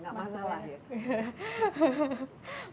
nggak masalah ya